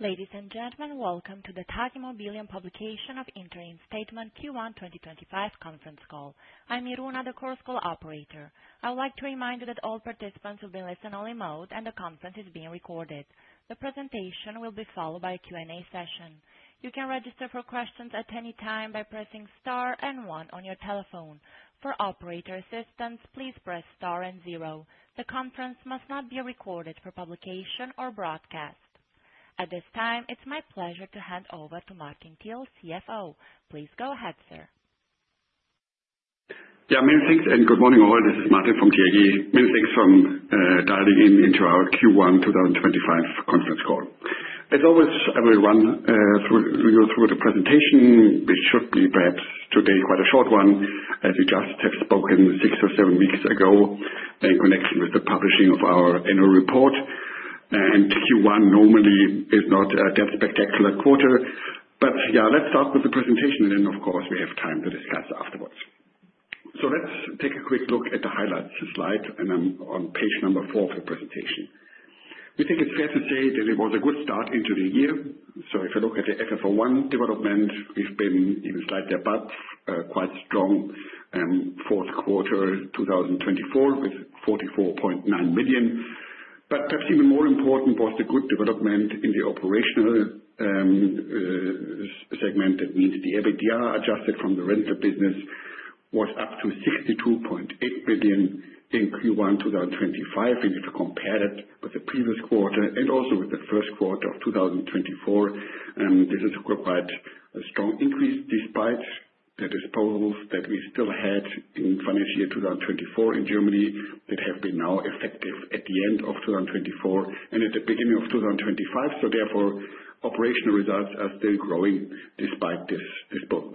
Ladies and gentlemen, welcome to the TAG Immobilien publication of Interim Statement Q1 2025 conference call. I'm Iruna, the course call operator. I would like to remind you that all participants will be listen-only mode, and the conference is being recorded. The presentation will be followed by a Q&A session. You can register for questions at any time by pressing star and one on your telephone. For operator assistance, please press star and zero. The conference must not be recorded for publication or broadcast. At this time, it's my pleasure to hand over to Martin Thiel, CFO. Please go ahead, sir. Yeah, many thanks, and good morning all. This is Martin from TAG. Many thanks for dialing in into our Q1 2025 conference call. As always, everyone, through the presentation, it should be perhaps today quite a short one, as you just have spoken six or seven weeks ago in connection with the publishing of our annual report. Q1 normally is not a spectacular quarter. Yeah, let's start with the presentation, and then, of course, we have time to discuss afterwards. Let's take a quick look at the highlights slide, and I'm on page number four of the presentation. We think it's fair to say that it was a good start into the year. If you look at the FFO I development, we've been even slightly above quite strong fourth quarter 2024 with 44.9 million. Perhaps even more important was the good development in the operational segment, that means the EBITDA adjusted from the rental business was up to 62.8 million in Q1 2025. If you compare that with the previous quarter and also with the first quarter of 2024, this is quite a strong increase despite the disposals that we still had in financial year 2024 in Germany that have been now effective at the end of 2024 and at the beginning of 2025. Therefore, operational results are still growing despite this disposal.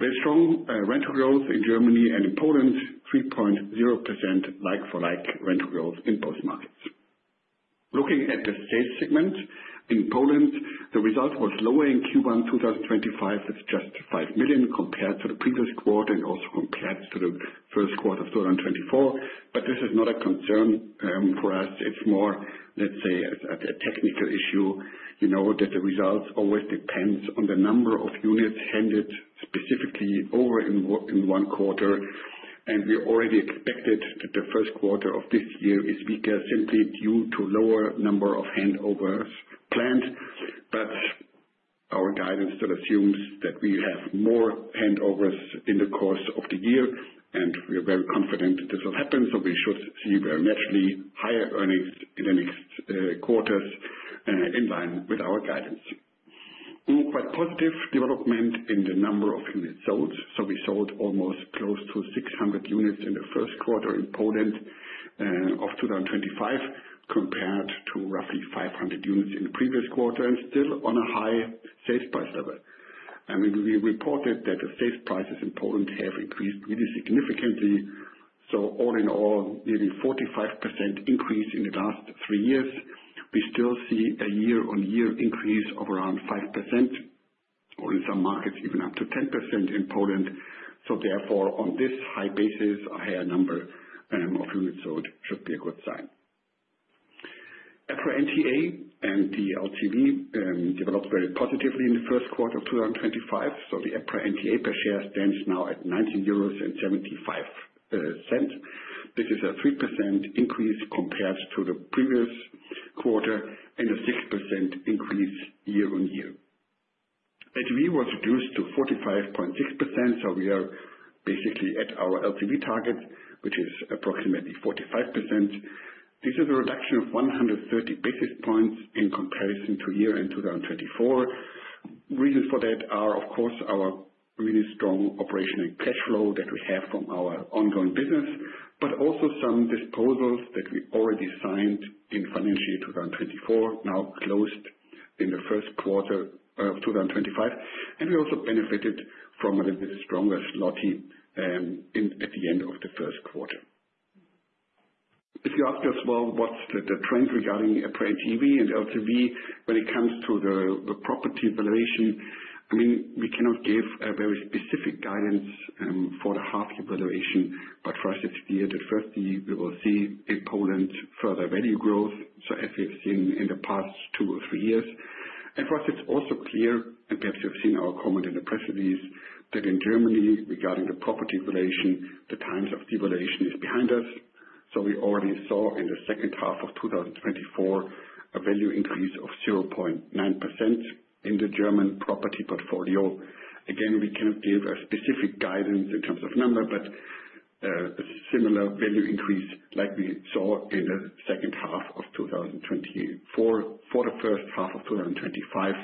Very strong rental growth in Germany and in Poland, 3.0% like-for-like rental growth in both markets. Looking at the sales segment in Poland, the result was lower in Q1 2025, just 5 million compared to the previous quarter and also compared to the first quarter of 2024. This is not a concern for us. It's more, let's say, a technical issue. You know that the results always depend on the number of units handed specifically over in one quarter. We already expected that the first quarter of this year is weaker simply due to a lower number of handovers planned. Our guidance still assumes that we have more handovers in the course of the year, and we are very confident this will happen. We should see very naturally higher earnings in the next quarters in line with our guidance. Quite positive development in the number of units sold. We sold almost close to 600 units in the first quarter in Poland of 2025 compared to roughly 500 units in the previous quarter, and still on a high sales price level. We reported that the sales prices in Poland have increased really significantly. All in all, nearly 45% increase in the last three years. We still see a year-on-year increase of around 5%, or in some markets, even up to 10% in Poland. Therefore, on this high basis, a higher number of units sold should be a good sign. EPRA NTA and the LTV developed very positively in the first quarter of 2025. The EPRA NTA per share stands now at 19.75 euros. This is a 3% increase compared to the previous quarter and a 6% increase year-on-year. LTV was reduced to 45.6%. We are basically at our LTV target, which is approximately 45%. This is a reduction of 130 basis points in comparison to year-end 2024. Reasons for that are, of course, our really strong operational cash flow that we have from our ongoing business, but also some disposals that we already signed in financial year 2024, now closed in the first quarter of 2025. We also benefited from a stronger zloty at the end of the first quarter. If you ask us, what's the trend regarding EPRA NTA and LTV when it comes to the property valuation, I mean, we cannot give a very specific guidance for the half-year valuation. For us, it's clear that firstly, we will see in Poland further value growth, as we've seen in the past two or three years. For us, it's also clear, and perhaps you've seen our comment in the press release, that in Germany, regarding the property valuation, the times of devaluation is behind us. We already saw in the second half of 2024 a value increase of 0.9% in the German property portfolio. Again, we cannot give a specific guidance in terms of number, but a similar value increase like we saw in the second half of 2024 for the first half of 2025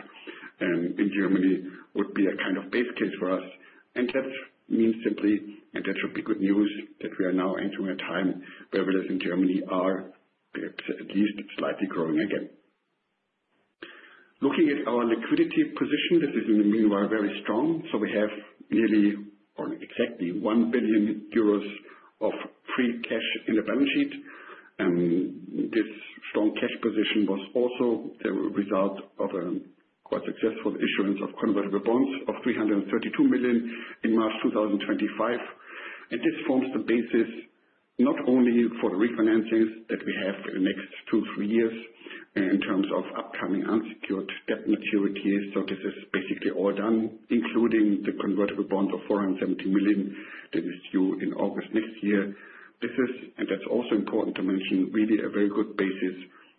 in Germany would be a kind of base case for us. That means simply, and that should be good news, that we are now entering a time where values in Germany are at least slightly growing again. Looking at our liquidity position, this is, in the meanwhile, very strong. We have nearly exactly 1 billion euros of free cash in the balance sheet. This strong cash position was also the result of a quite successful issuance of convertible bonds of 332 million in March 2025. This forms the basis not only for the refinancings that we have for the next two or three years in terms of upcoming unsecured debt maturities. This is basically all done, including the convertible bonds of 470 million that is due in August next year. This is, and that is also important to mention, really a very good basis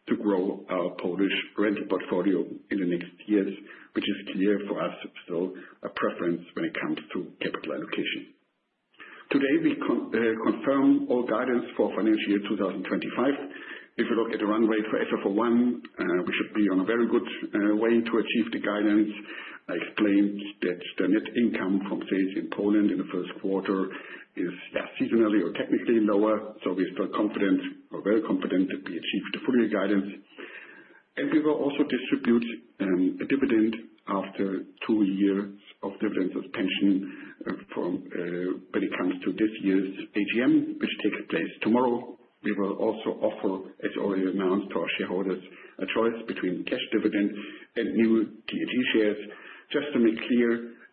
to grow our Polish rental portfolio in the next years, which is clear for us, so a preference when it comes to capital allocation. Today, we confirm all guidance for financial year 2025. If you look at the runway for FFO I, we should be on a very good way to achieve the guidance. I explained that the net income from sales in Poland in the first quarter is, yeah, seasonally or technically lower. We are still confident, or very confident, that we achieved the full year guidance. We will also distribute a dividend after two years of dividend suspension when it comes to this year's AGM, which takes place tomorrow. We will also offer, as already announced to our shareholders, a choice between cash dividend and new TAG shares. Just to make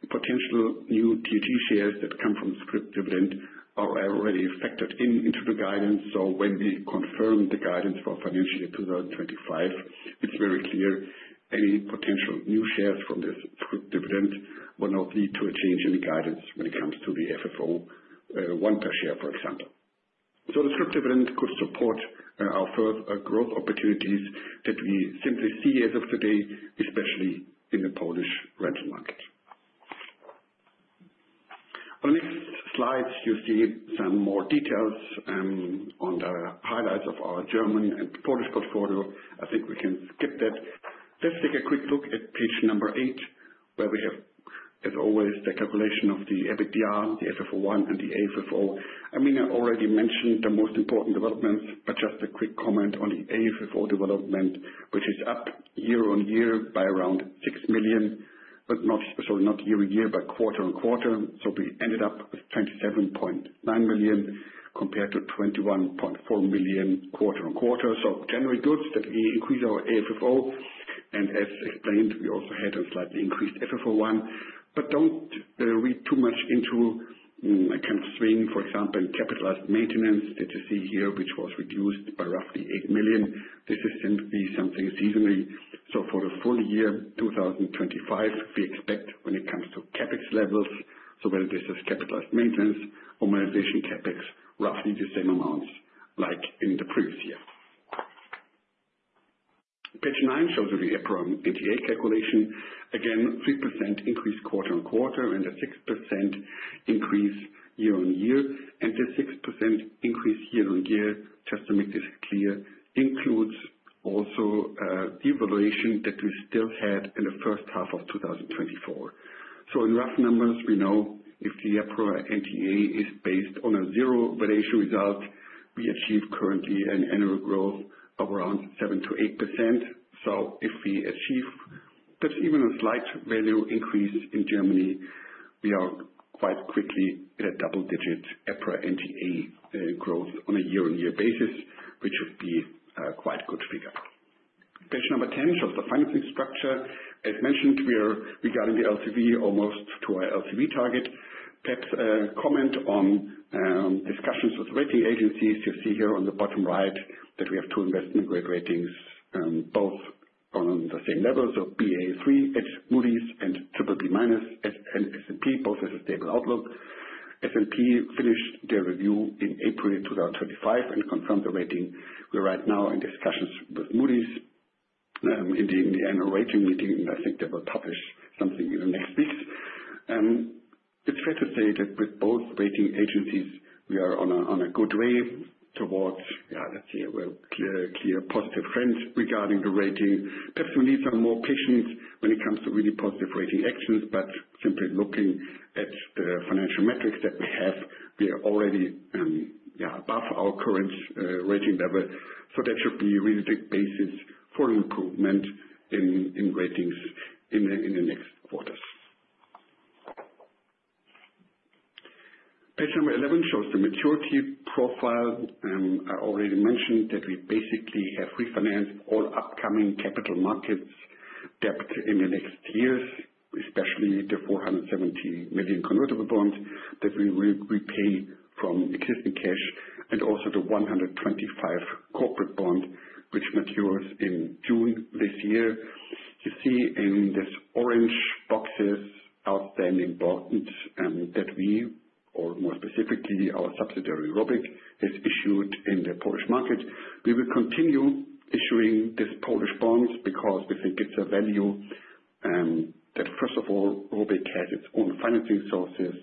clear, potential new TAG shares that come from script dividend are already factored into the guidance. When we confirm the guidance for financial year 2025, it is very clear any potential new shares from this script dividend will not lead to a change in the guidance when it comes to the FFO I per share, for example. The script dividend could support our further growth opportunities that we simply see as of today, especially in the Polish rental market. On the next slide, you see some more details on the highlights of our German and Polish portfolio. I think we can skip that. Let's take a quick look at page number eight, where we have, as always, the calculation of the EBITDA, the FFO I, and the AFFO. I mean, I already mentioned the most important developments, but just a quick comment on the AFFO development, which is up year-on-year by around 6 million, but not year-to-year, but quarter-on-quarter. We ended up with 27.9 million compared to 21.4 million quarter-on-quarter. Generally good that we increase our AFFO. As explained, we also had a slightly increased FFO I. Do not read too much into a kind of swing, for example, in capitalized maintenance that you see here, which was reduced by roughly 8 million. This is simply something seasonally. For the full year 2025, we expect when it comes to CapEx levels, whether this is capitalized maintenance or modernization CapEx, roughly the same amounts like in the previous year. Page nine shows you the EPRA NTA calculation. Again, 3% increase quarter-on-quarter and a 6% increase year-on-year. The 6% increase year-on-year, just to make this clear, includes also the evaluation that we still had in the first half of 2024. In rough numbers, we know if the EPRA NTA is based on a zero valuation result, we achieve currently an annual growth of around 7%-8%. If we achieve even a slight value increase in Germany, we are quite quickly at a double-digit EPRA NTA growth on a year-on-year basis, which would be a quite good figure. Page number 10 shows the financing structure. As mentioned, we are regarding the LTV almost to our LTV target. Perhaps a comment on discussions with rating agencies, you see here on the bottom right that we have two investment-grade ratings, both on the same level. Baa3 at Moody's and BBB- at S&P, both with a stable outlook. S&P finished their review in April 2025 and confirmed the rating. We're right now in discussions with Moody's in the annual rating meeting, and I think they will publish something in the next weeks. It's fair to say that with both rating agencies, we are on a good way towards, yeah, let's see, a clear positive trend regarding the rating. Perhaps we need some more patience when it comes to really positive rating actions. Simply looking at the financial metrics that we have, we are already, yeah, above our current rating level. That should be a really big basis for improvement in ratings in the next quarters. Page number 11 shows the maturity profile. I already mentioned that we basically have refinanced all upcoming capital markets debt in the next years, especially the 470 million convertible bonds that we will repay from existing cash, and also the 125 million corporate bond, which matures in June this year. You see in these orange boxes outstanding bonds that we, or more specifically our subsidiary Rubik, has issued in the Polish market. We will continue issuing these Polish bonds because we think it's a value that, first of all, Rubik has its own financing sources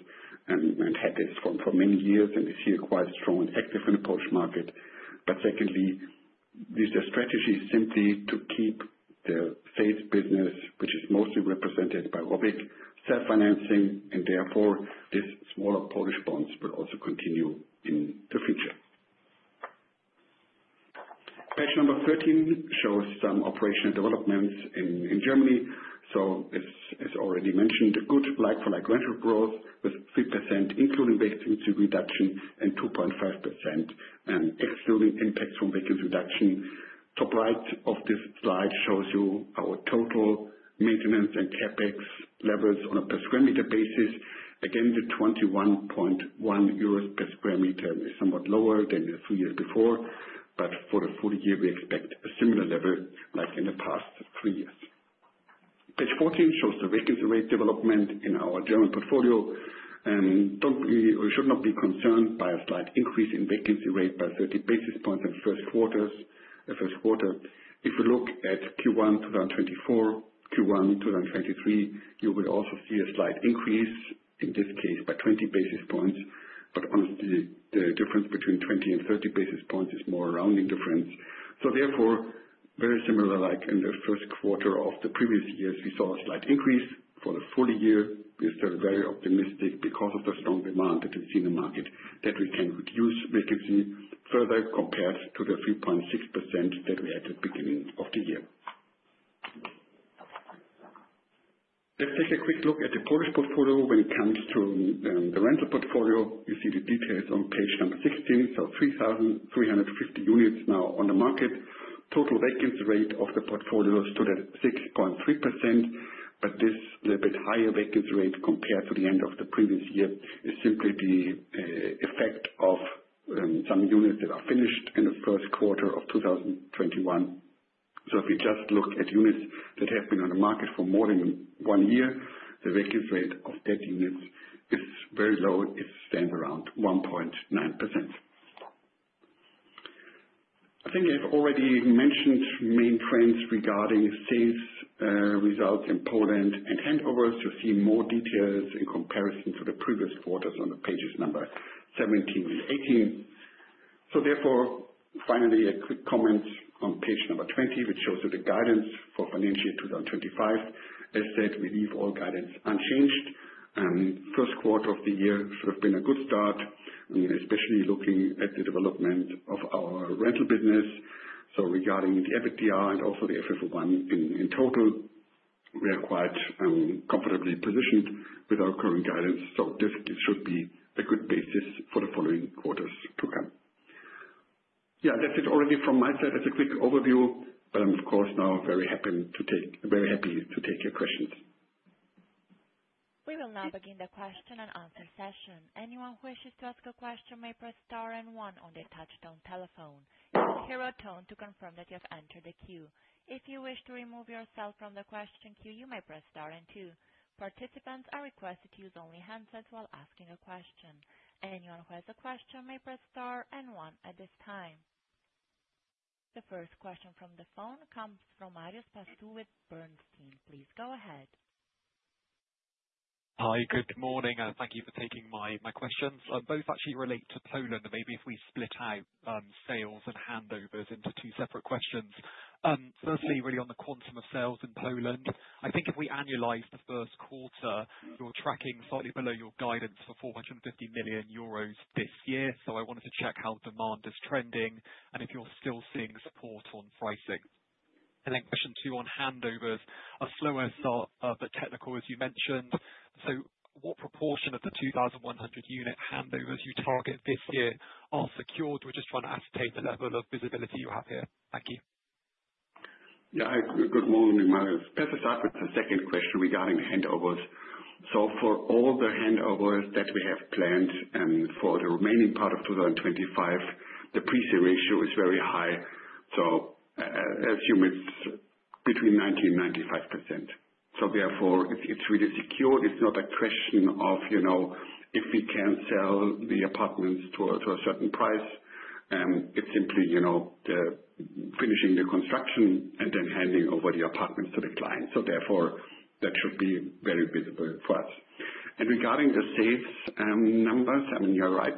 and had this for many years and is here quite strong and active in the Polish market. Secondly, the strategy is simply to keep the sales business, which is mostly represented by Rubik, self-financing, and therefore these smaller Polish bonds will also continue in the future. Page number 13 shows some operational developments in Germany. As already mentioned, good like-for-like rental growth with 3% including vacancy reduction and 2.5% excluding impacts from vacancy reduction. The top right of this slide shows you our total maintenance and CapEx levels on a per square meter basis. Again, the 21.1 euros per sq m is somewhat lower than the three years before, but for the full year, we expect a similar level like in the past three years. Page 14 shows the vacancy rate development in our German portfolio. We should not be concerned by a slight increase in vacancy rate by 30 basis points in the first quarter. If we look at Q1 2024, Q1 2023, you will also see a slight increase, in this case, by 20 basis points. Honestly, the difference between 20 and 30 basis points is more a rounding difference. Therefore, very similar like in the first quarter of the previous years, we saw a slight increase. For the full year, we are still very optimistic because of the strong demand that we see in the market that we can reduce vacancy further compared to the 3.6% that we had at the beginning of the year. Let's take a quick look at the Polish portfolio when it comes to the rental portfolio. You see the details on page number 16. So 3,350 units now on the market. Total vacancy rate of the portfolio stood at 6.3%. This little bit higher vacancy rate compared to the end of the previous year is simply the effect of some units that are finished in the first quarter of 2021. If we just look at units that have been on the market for more than one year, the vacancy rate of those units is very low. It stands around 1.9%. I think I have already mentioned main trends regarding sales results in Poland and handovers. You see more details in comparison to the previous quarters on pages number 17 and 18. Therefore, finally, a quick comment on page number 20, which shows you the guidance for financial year 2025. As said, we leave all guidance unchanged. First quarter of the year should have been a good start, especially looking at the development of our rental business. Regarding the EBITDA and also the FFO I in total, we are quite comfortably positioned with our current guidance. This should be a good basis for the following quarters to come. Yeah, that's it already from my side as a quick overview. But I'm, of course, now very happy to take your questions. We will now begin the question and answer session. Anyone who wishes to ask a question may press star and one on the touchdown telephone. You will hear a tone to confirm that you have entered the queue. If you wish to remove yourself from the question queue, you may press star and two. Participants are requested to use only handsets while asking a question. Anyone who has a question may press star and one at this time. The first question from the phone comes from Marios Pastou with Bernstein. Please go ahead. Hi, good morning. Thank you for taking my questions. Both actually relate to Poland. Maybe if we split out sales and handovers into two separate questions. Firstly, really on the quantum of sales in Poland, I think if we annualize the first quarter, you're tracking slightly below your guidance for 450 million euros this year. I wanted to check how demand is trending and if you're still seeing support on pricing? Question two on handovers, a slower start but technical, as you mentioned. What proportion of the 2,100 unit handovers you target this year are secured? We're just trying to ascertain the level of visibility you have here. Thank you. Yeah, good morning, Marios. Let's start with the second question regarding handovers. For all the handovers that we have planned for the remaining part of 2025, the pre-sale ratio is very high. I assume it's between 90-95%. Therefore, it's really secured. It's not a question of if we can sell the apartments to a certain price. It's simply finishing the construction and then handing over the apartments to the client. Therefore, that should be very visible for us. Regarding the sales numbers, I mean, you're right.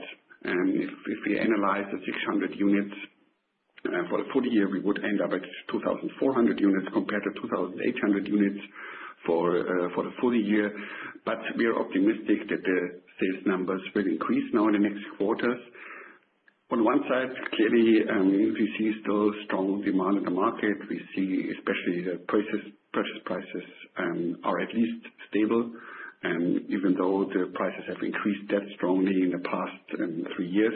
If we analyze the 600 units for the full year, we would end up at 2,400 units compared to 2,800 units for the full year. We are optimistic that the sales numbers will increase now in the next quarters. On one side, clearly, we see still strong demand in the market. We see especially the purchase prices are at least stable, even though the prices have increased that strongly in the past three years.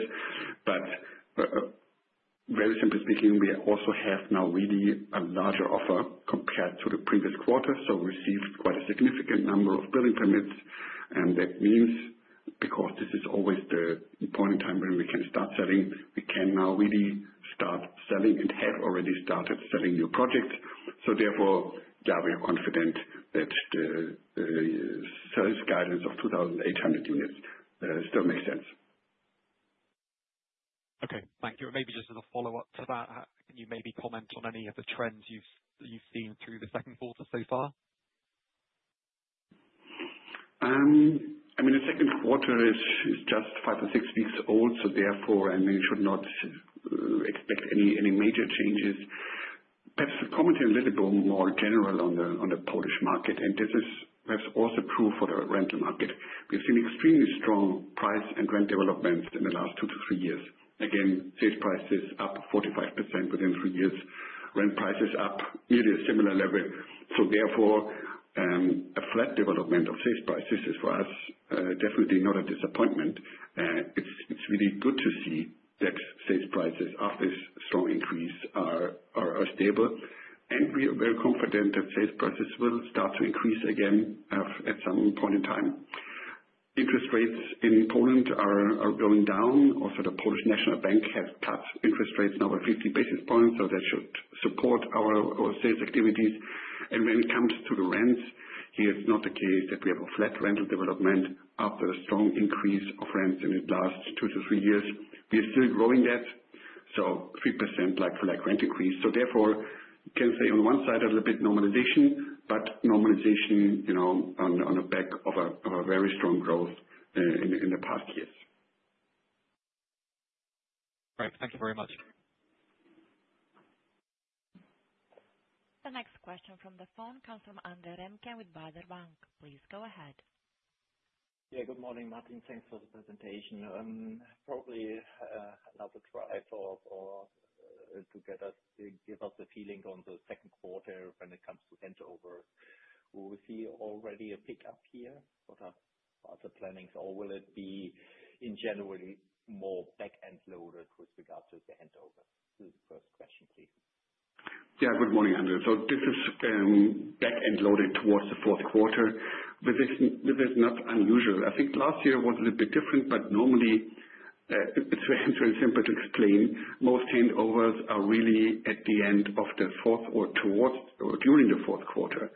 Very simply speaking, we also have now really a larger offer compared to the previous quarter. We received quite a significant number of building permits. That means because this is always the point in time when we can start selling, we can now really start selling and have already started selling new projects. Therefore, yeah, we are confident that the sales guidance of 2,800 units still makes sense. Okay, thank you. Maybe just as a follow-up to that, can you maybe comment on any of the trends you've seen through the second quarter so far? I mean, the second quarter is just five or six weeks old. Therefore, I mean, we should not expect any major changes. Perhaps commenting a little bit more general on the Polish market, and this is perhaps also true for the rental market. We've seen extremely strong price and rent developments in the last two to three years. Again, sales prices up 45% within three years. Rent prices up nearly a similar level. Therefore, a flat development of sales prices is for us definitely not a disappointment. It is really good to see that sales prices after this strong increase are stable. We are very confident that sales prices will start to increase again at some point in time. Interest rates in Poland are going down. Also, the Polish National Bank has cut interest rates now by 50 basis points, so that should support our sales activities. When it comes to the rents, here it is not the case that we have a flat rental development after a strong increase of rents in the last two to three years. We are still growing that. So 3% like-for-like rent increase. Therefore, you can say on one side a little bit normalization, but normalization on the back of a very strong growth in the past years. Great. Thank you very much. The next question from the phone comes from Andre Remke with Baader Bank. Please go ahead. Yeah, good morning, Martin. Thanks for the presentation. Probably another drive to give us a feeling on the second quarter when it comes to handovers. We see already a pickup here. What are the plannings? Or will it be in January more back-end loaded with regard to the handover? This is the first question, please. Yeah, good morning, Andre. So this is back-end loaded towards the fourth quarter, but this is not unusual. I think last year was a little bit different, but normally it is very simple to explain. Most handovers are really at the end of the fourth or towards or during the fourth quarter.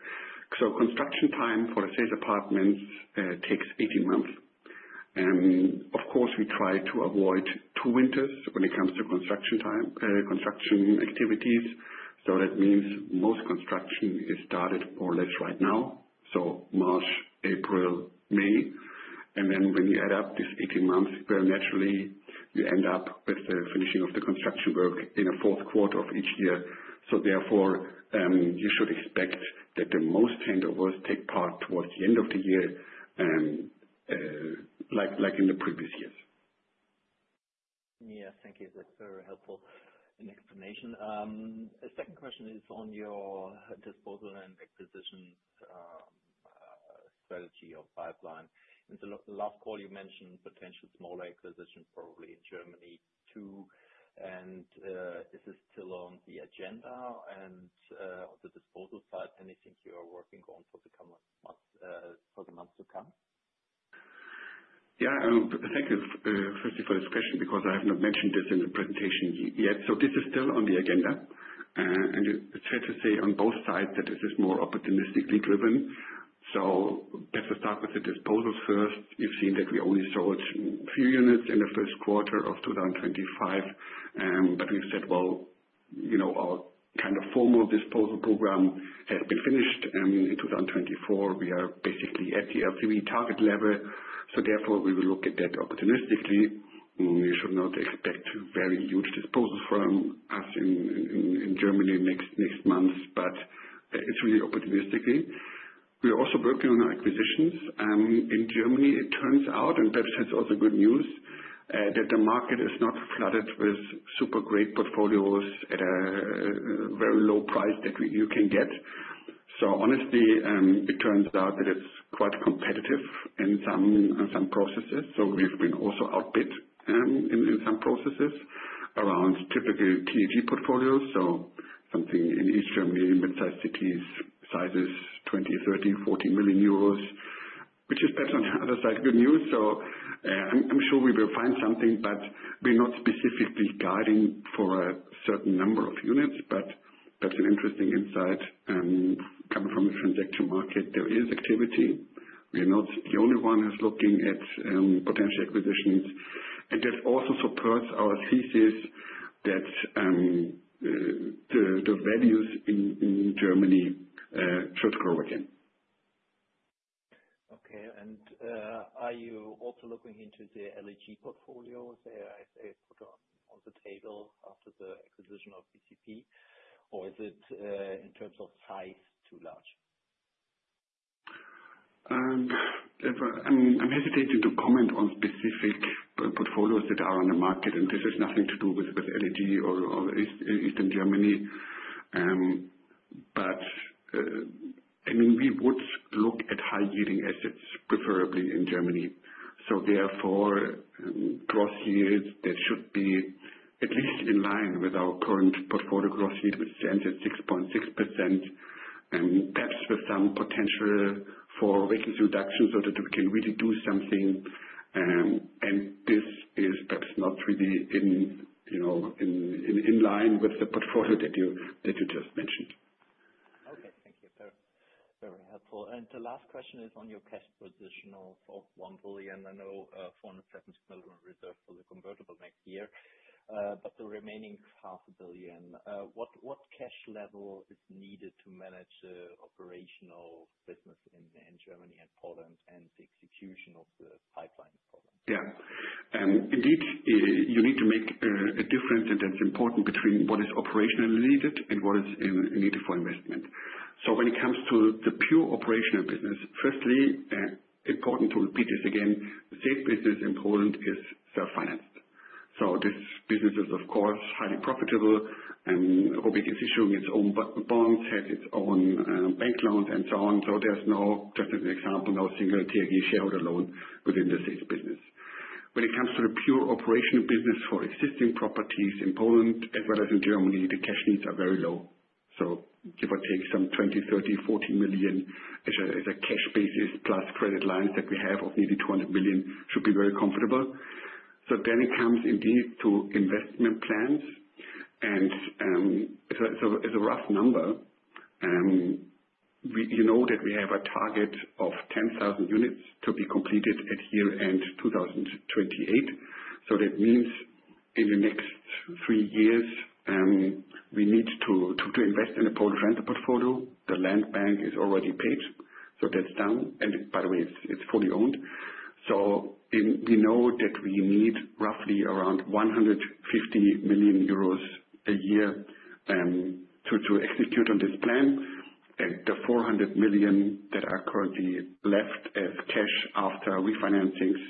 Construction time for the sales apartments takes 18 months. Of course, we try to avoid two winters when it comes to construction activities. That means most construction is started more or less right now. March, April, May. When you add up this 18 months, very naturally, you end up with the finishing of the construction work in the fourth quarter of each year. Therefore, you should expect that the most handovers take part towards the end of the year like in the previous years. Yes, thank you. That is very helpful and explanation. The second question is on your disposal and acquisition strategy or pipeline. In the last call, you mentioned potential smaller acquisition, probably in Germany too. Is this still on the agenda and on the disposal side? Anything you are working on for the months to come? Yeah, thank you. First of all, this question because I have not mentioned this in the presentation yet. This is still on the agenda. It is fair to say on both sides that this is more opportunistically driven. Perhaps to start with the disposal first, you have seen that we only sold a few units in the first quarter of 2025. We have said our kind of formal disposal program has been finished. In 2024, we are basically at the LTV target level. Therefore, we will look at that opportunistically. We should not expect very huge disposals from us in Germany next month, but it is really opportunistically. We are also working on our acquisitions. In Germany, it turns out, and perhaps that is also good news, that the market is not flooded with super great portfolios at a very low price that you can get. Honestly, it turns out that it is quite competitive in some processes. We have been also outbid in some processes around typical TAG portfolios. Something in East Germany, mid-size cities, sizes 20 million, 30 million, 40 million euros, which is perhaps on the other side good news. I'm sure we will find something, but we're not specifically guiding for a certain number of units. That's an interesting insight. Coming from the transaction market, there is activity. We are not the only ones looking at potential acquisitions. That also supports our thesis that the values in Germany should grow again. Okay. Are you also looking into the LEG portfolios that are put on the table after the acquisition of BCP? Or is it in terms of size too large? I'm hesitating to comment on specific portfolios that are on the market, and this has nothing to do with LEG or East Germany. I mean, we would look at high-yielding assets, preferably in Germany. Therefore, gross yields should be at least in line with our current portfolio gross yield, which stands at 6.6%, and perhaps with some potential for vacancy reduction so that we can really do something. This is perhaps not really in line with the portfolio that you just mentioned. Okay, thank you. Very helpful. The last question is on your cash position of 1 billion. I know 470 million is reserved for the convertible next year, but the remaining 500 million, what cash level is needed to manage the operational business in Germany and Poland and the execution of the pipeline? Yeah. Indeed, you need to make a difference, and that is important, between what is operationally needed and what is needed for investment. When it comes to the pure operational business, firstly, important to repeat this again, the state business in Poland is self-financed. This business is, of course, highly profitable, and Obligation issuing its own bonds, has its own bank loans, and so on. There is no, just as an example, no single TAG shareholder loan within the sales business. When it comes to the pure operational business for existing properties in Poland as well as in Germany, the cash needs are very low. Give or take 20 million-40 million as a cash basis plus credit lines that we have of nearly 200 million should be very comfortable. It comes indeed to investment plans. It is a rough number. You know that we have a target of 10,000 units to be completed at year-end 2028. That means in the next three years, we need to invest in a Polish rental portfolio. The land bank is already paid. That is done. By the way, it is fully owned. We know that we need roughly around 150 million euros a year to execute on this plan. The 400 million that are currently left as cash after refinancings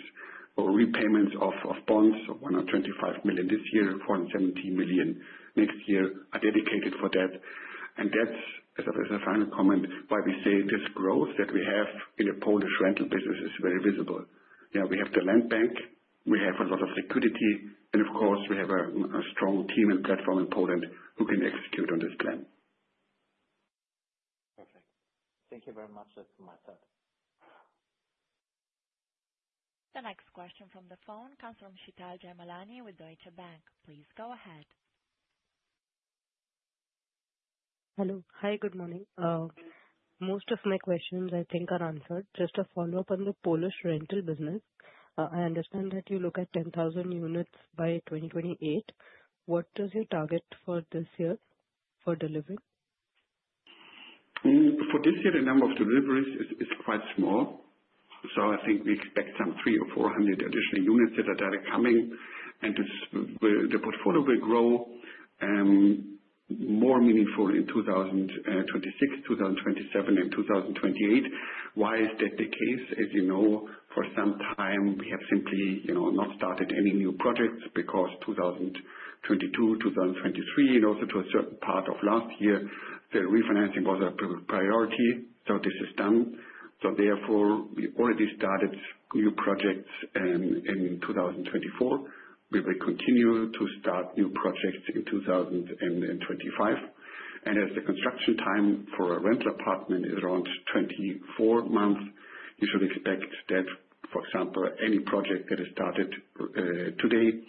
or repayments of bonds, so 125 million this year, 470 million next year, are dedicated for that. As a final comment, that is why we say this growth that we have in the Polish rental business is very visible. We have the land bank, we have a lot of liquidity, and of course, we have a strong team and platform in Poland who can execute on this plan. Perfect. Thank you very much. That is my side. The next question from the phone comes from Shital Jamalani with Deutsche Bank. Please go ahead. Hello. Hi, good morning. Most of my questions, I think, are answered. Just a follow-up on the Polish rental business. I understand that you look at 10,000 units by 2028. What is your target for this year for delivery? For this year, the number of deliveries is quite small. I think we expect some 300 or 400 additional units that are directly coming. The portfolio will grow more meaningfully in 2026, 2027, and 2028. Why is that the case? As you know, for some time, we have simply not started any new projects because 2022, 2023, and also to a certain part of last year, the refinancing was a priority. This is done. Therefore, we already started new projects in 2024. We will continue to start new projects in 2025. As the construction time for a rental apartment is around 24 months, you should expect that, for example, any project that is started today,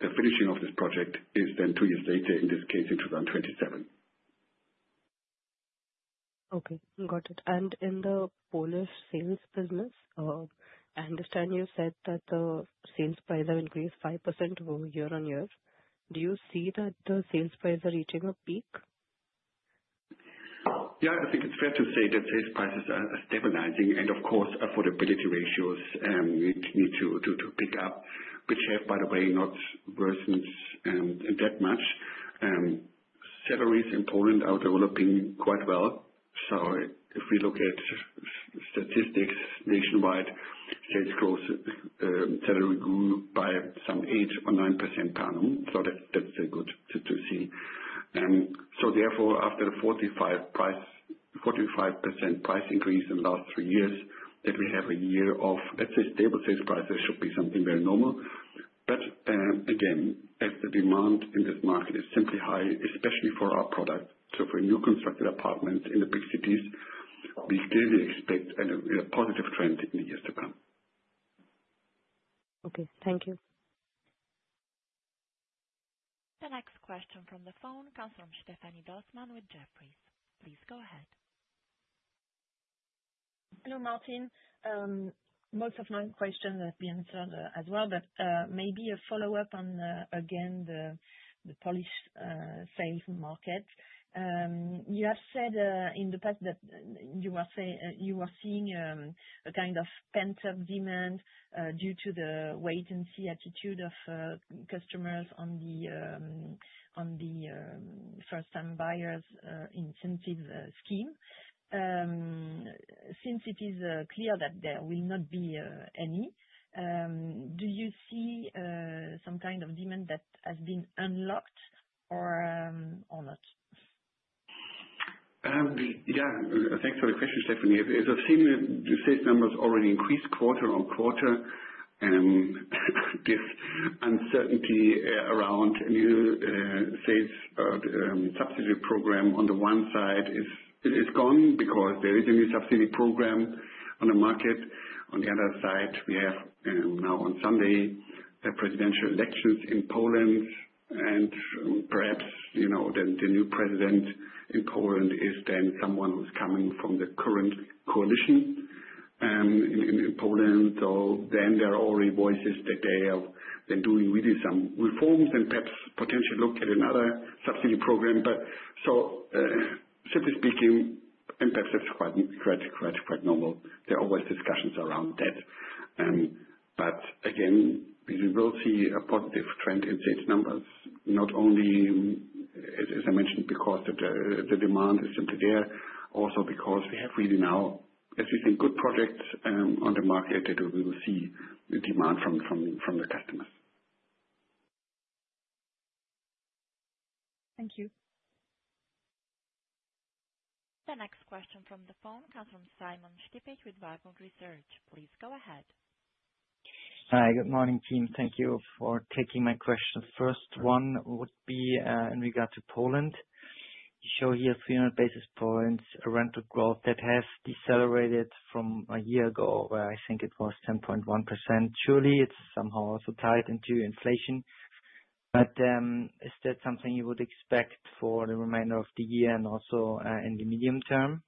the finishing of this project is then two years later, in this case, in 2027. Okay. Got it. In the Polish sales business, I understand you said that the sales price have increased 5% year on year. Do you see that the sales price is reaching a peak? Yeah, I think it's fair to say that sales prices are stabilizing. Of course, affordability ratios need to pick up, which have, by the way, not worsened that much. Salaries in Poland are developing quite well. If we look at statistics nationwide, sales growth salary grew by some 8% or 9% per annum. That's good to see. Therefore, after the 45% price increase in the last three years, that we have a year of, let's say, stable sales prices should be something very normal. Again, as the demand in this market is simply high, especially for our product, so for new constructed apartments in the big cities, we clearly expect a positive trend in the years to come. Okay. Thank you. The next question from the phone comes from Stéphanie Dossman with Jefferies. Please go ahead. Hello, Martin. Most of my questions have been answered as well, but maybe a follow-up on, again, the Polish sales market. You have said in the past that you were seeing a kind of pent-up demand due to the wait-and-see attitude of customers on the first-time buyers' incentive scheme. Since it is clear that there will not be any, do you see some kind of demand that has been unlocked or not? Yeah, thanks for the question, Stéphanie. As I've seen, the sales numbers already increased quarter on quarter. This uncertainty around a new sales subsidy program, on the one side, is gone because there is a new subsidy program on the market. On the other side, we have now, on Sunday, presidential elections in Poland. Perhaps the new president in Poland is then someone who's coming from the current coalition in Poland. There are already voices that they have been doing really some reforms and perhaps potentially look at another subsidy program. Simply speaking, and perhaps that's quite normal, there are always discussions around that. Again, we will see a positive trend in sales numbers, not only, as I mentioned, because the demand is simply there, also because we have really now, as you think, good projects on the market that we will see the demand from the customers. Thank you. The next question from the phone comes from Simon Štipić with Warburg Research. Please go ahead. Hi, good morning, team. Thank you for taking my questions. First one would be in regard to Poland. You show here 300 basis points rental growth that has decelerated from a year ago, where I think it was 10.1%. Surely, it is somehow also tied into inflation. But is that something you would expect for the remainder of the year and also in the medium term?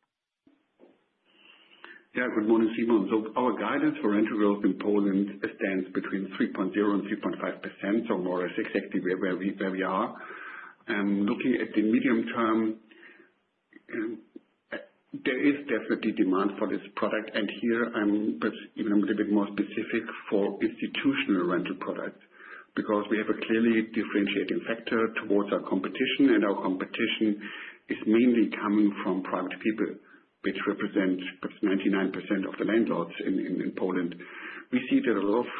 Yeah, good morning, Simon. Our guidance for rental growth in Poland stands between 3.0-3.5%, so more or less exactly where we are. Looking at the medium term, there is definitely demand for this product. Here, I'm perhaps even a little bit more specific for institutional rental products because we have a clearly differentiating factor towards our competition. Our competition is mainly coming from private people, which represent 99% of the landlords in Poland. We see that a lot of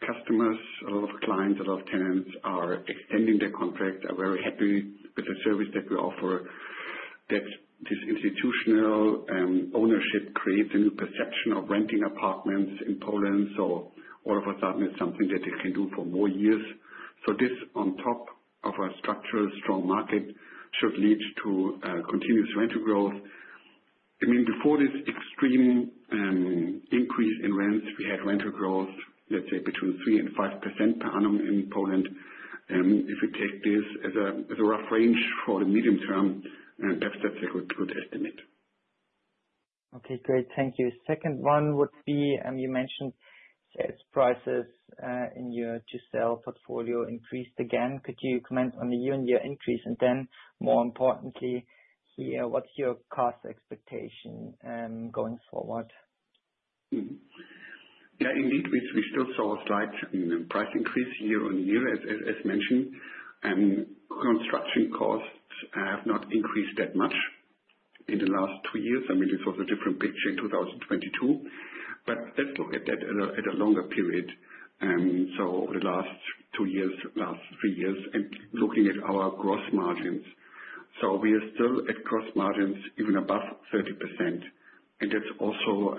customers, a lot of clients, a lot of tenants are extending their contracts, are very happy with the service that we offer, that this institutional ownership creates a new perception of renting apartments in Poland. All of a sudden, it's something that they can do for more years. This, on top of a structurally strong market, should lead to continuous rental growth. I mean, before this extreme increase in rents, we had rental growth, let's say, between 3-5% per annum in Poland. If we take this as a rough range for the medium term, perhaps that's a good estimate. Okay, great. Thank you. Second one would be you mentioned sales prices in your GCL portfolio increased again. Could you comment on the year-on-year increase? And then, more importantly, here, what's your cost expectation going forward? Yeah, indeed, we still saw a slight price increase year-on-year, as mentioned. Construction costs have not increased that much in the last two years. I mean, it's also a different picture in 2022. Let's look at that at a longer period. Over the last two years, last three years, and looking at our gross margins. We are still at gross margins even above 30%. That is also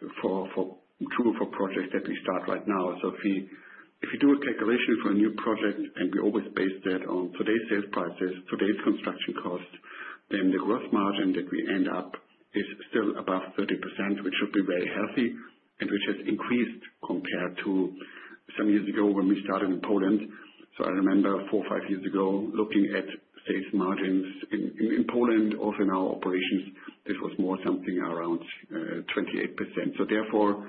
true for projects that we start right now. If we do a calculation for a new project, and we always base that on today's sales prices, today's construction costs, then the gross margin that we end up with is still above 30%, which should be very healthy and which has increased compared to some years ago when we started in Poland. I remember four or five years ago, looking at sales margins in Poland, also in our operations, this was more something around 28%. Therefore,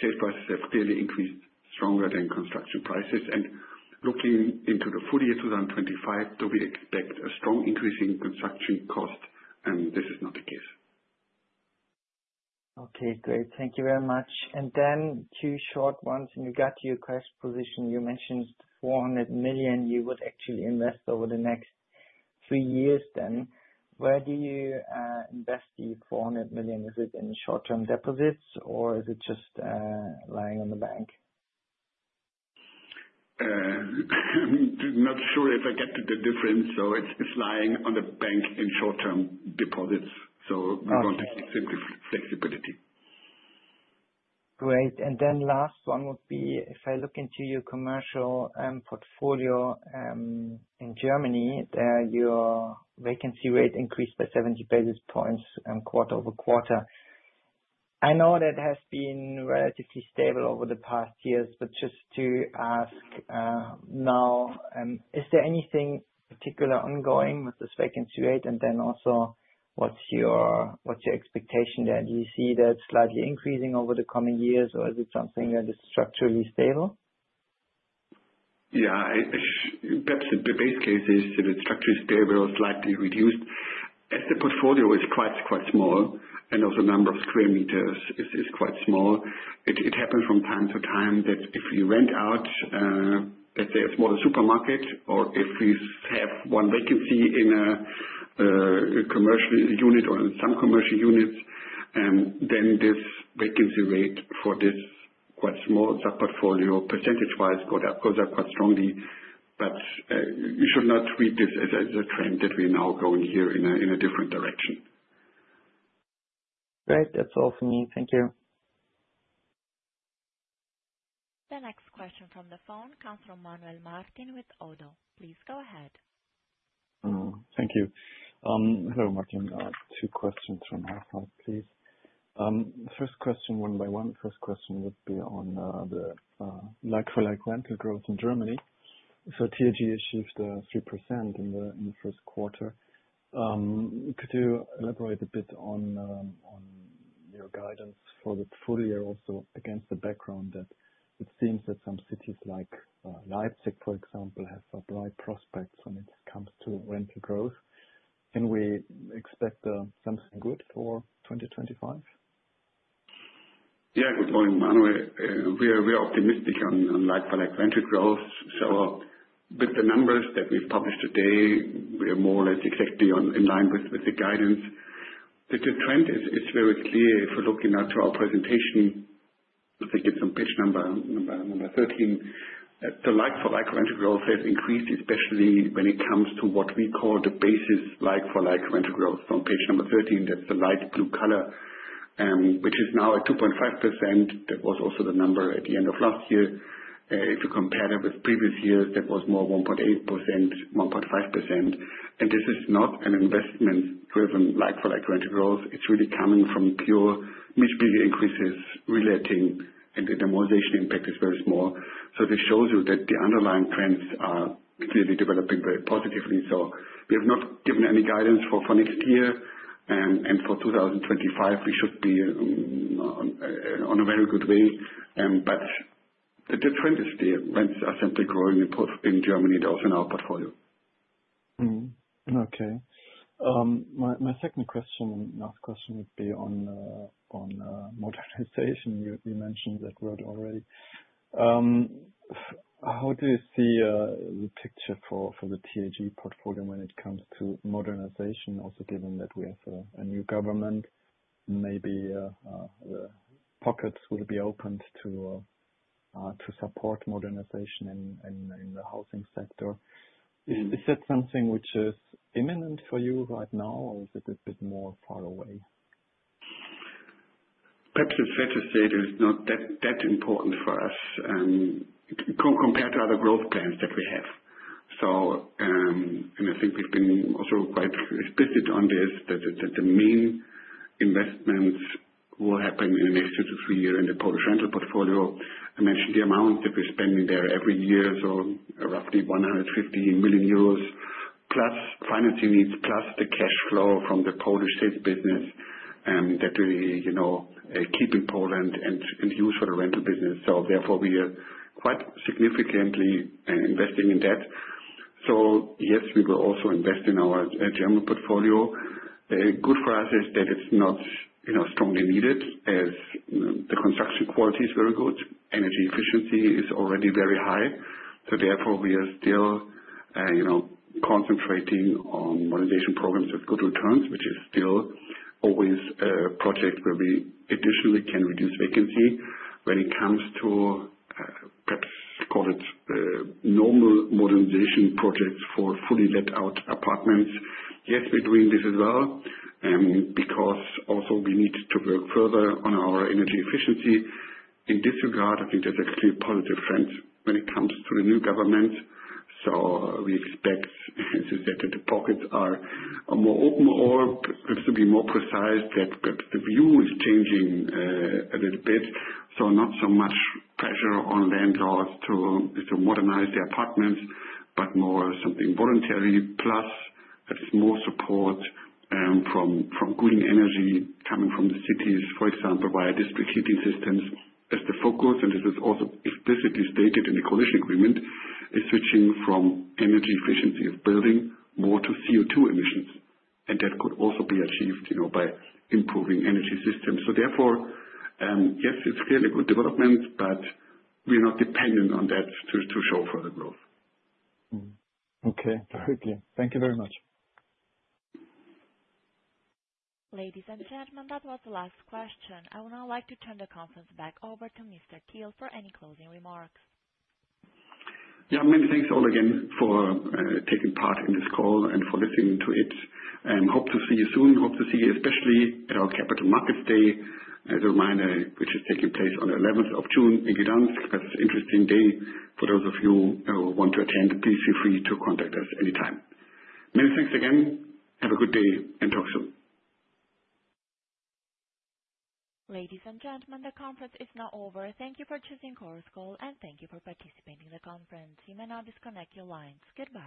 sales prices have clearly increased stronger than construction prices. Looking into the full year 2025, though, we expect a strong increase in construction cost, and this is not the case. Okay, great. Thank you very much. Two short ones. In regard to your cash position, you mentioned 400 million you would actually invest over the next three years then. Where do you invest the 400 million? Is it in short-term deposits, or is it just lying on the bank? I'm not sure if I get the difference. So it's lying on the bank in short-term deposits. We want to keep simply flexibility. Great. The last one would be, if I look into your commercial portfolio in Germany, your vacancy rate increased by 70 basis points quarter over quarter. I know that has been relatively stable over the past years, but just to ask now, is there anything particular ongoing with this vacancy rate? Also, what's your expectation there? Do you see that slightly increasing over the coming years, or is it something that is structurally stable? Yeah, perhaps the base case is that it's structurally stable or slightly reduced. As the portfolio is quite small, and also the number of square meters is quite small, it happens from time to time that if you rent out, let's say, a smaller supermarket, or if you have one vacancy in a commercial unit or in some commercial units, then this vacancy rate for this quite small sub-portfolio, percentage-wise, goes up quite strongly. You should not read this as a trend that we're now going here in a different direction. Great. That's all for me. Thank you. The next question from the phone comes from Manuel Martin with ODDO. Please go ahead. Thank you. Hello, Martin. Two questions from my side, please. First question, one by one. First question would be on the like-for-like rental growth in Germany. TAG achieved 3% in the first quarter. Could you elaborate a bit on your guidance for the full year also against the background that it seems that some cities like Leipzig, for example, have bright prospects when it comes to rental growth? Can we expect something good for 2025? Yeah, good morning, Manuel. We are optimistic on like-for-like rental growth. With the numbers that we have published today, we are more or less exactly in line with the guidance. The trend is very clear. If we are looking at our presentation, I think it is on page number 13, the like-for-like rental growth has increased, especially when it comes to what we call the basis like-for-like rental growth. On page number 13, that is the light blue color, which is now at 2.5%. That was also the number at the end of last year. If you compare that with previous years, that was more 1.8%, 1.5%. This is not an investment-driven like-for-like rental growth. It is really coming from pure mid-year increases relating, and the normalization impact is very small. This shows you that the underlying trends are clearly developing very positively. We have not given any guidance for next year. For 2025, we should be on a very good way. The trend is clear. Rents are simply growing in Germany. They are also in our portfolio. Okay. My second question and last question would be on modernization. You mentioned that word already. How do you see the picture for the TAG portfolio when it comes to modernization, also given that we have a new government? Maybe the pockets will be opened to support modernization in the housing sector? Is that something which is imminent for you right now, or is it a bit more far away? Perhaps it's fair to say that it's not that important for us compared to other growth plans that we have. I think we've been also quite specific on this, that the main investments will happen in the next two to three years in the Polish rental portfolio. I mentioned the amount that we're spending there every year, so roughly 150 million euros, plus financing needs, plus the cash flow from the Polish sales business that we keep in Poland and use for the rental business. Therefore, we are quite significantly investing in that. Yes, we will also invest in our German portfolio. Good for us is that it's not strongly needed, as the construction quality is very good. Energy efficiency is already very high. Therefore, we are still concentrating on modernization programs with good returns, which is still always a project where we additionally can reduce vacancy. When it comes to, perhaps call it normal modernization projects for fully let-out apartments, yes, we're doing this as well because also we need to work further on our energy efficiency. In this regard, I think there's actually a positive trend when it comes to the new government. We expect that the pockets are more open or, perhaps to be more precise, that perhaps the view is changing a little bit. Not so much pressure on landlords to modernize their apartments, but more something voluntary, plus a small support from green energy coming from the cities, for example, via district heating systems as the focus. This is also explicitly stated in the coalition agreement, switching from energy efficiency of building more to CO2 emissions. That could also be achieved by improving energy systems. Therefore, yes, it is clearly good development, but we are not dependent on that to show further growth. Okay, great. Thank you very much. Ladies and gentlemen, that was the last question. I would now like to turn the conference back over to Mr. Thiel for any closing remarks. Yeah, many thanks all again for taking part in this call and for listening to it. Hope to see you soon. Hope to see you especially at our Capital Markets Day as a reminder, which is taking place on the 11th of June. Thank you. That is an interesting day. For those of you who want to attend, please feel free to contact us anytime. Many thanks again. Have a good day and talk soon. Ladies and gentlemen, the conference is now over. Thank you for choosing Coruscal, and thank you for participating in the conference. You may now disconnect your lines. Goodbye.